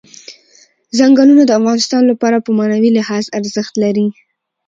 چنګلونه د افغانانو لپاره په معنوي لحاظ ارزښت لري.